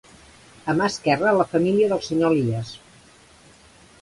A mà esquerra la família del senyor Elies.